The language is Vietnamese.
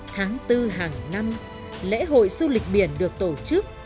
tháng bốn hàng năm lễ hội du lịch biển được tổ chức